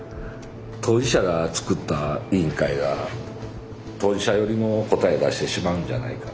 当事者が作った委員会が当事者寄りの答え出してしまうんじゃないかと。